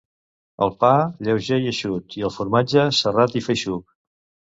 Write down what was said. El pa, lleuger i eixut, i el formatge, serrat i feixuc.